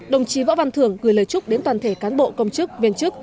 đồng chí võ văn thưởng gửi lời chúc đến toàn thể cán bộ công chức viên chức